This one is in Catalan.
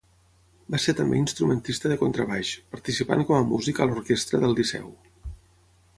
Va ser també instrumentista de contrabaix, participant com a músic a l'orquestra del Liceu.